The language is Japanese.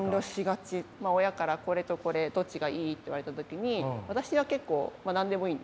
親から「これとこれどっちがいい？」って言われた時に私は結構何でもいいんですよね。